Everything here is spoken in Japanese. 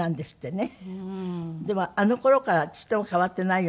でもあの頃からちっとも変わってないように思う。